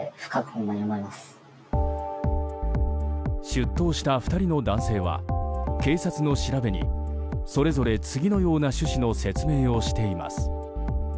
出頭した２人の男性は警察の調べにそれぞれ次のような趣旨の説明をしています。